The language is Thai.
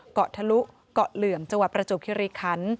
เกาะทะลุเกาะเหลื่อมจังหวัดประจวบคิริคัน